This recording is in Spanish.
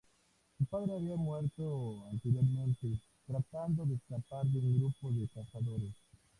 Su padre había muerto anteriormente tratando de escapar de un grupo de cazadores.